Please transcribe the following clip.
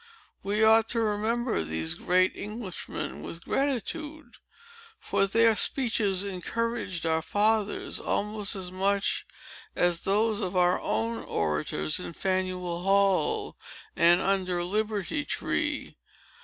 "We ought to remember these great Englishmen with gratitude; for their speeches encouraged our fathers, almost as much as those of our own orators, in Faneuil Hall, and under Liberty Tree.